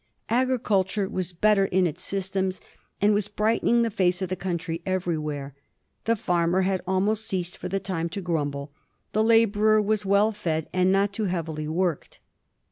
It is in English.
Agriculture was better in its systems, and was brightening the face of the country everywhere ; the farmer had almost ceased for the time to grumble ; the labourer was well fed, and not too heavily worked.